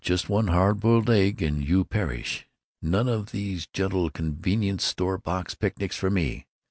Just one hard boiled egg and you perish! None of these gentle 'convenient' shoe box picnics for me.